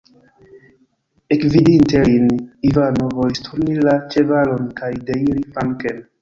Ekvidinte lin, Ivano volis turni la ĉevalon kaj deiri flanken.